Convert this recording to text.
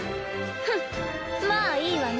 フンっまぁいいわね